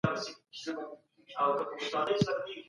څنګه د قاضیانو امنیت ساتل کیږي؟